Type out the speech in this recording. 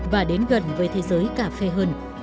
và đến gần với thế giới cà phê hơn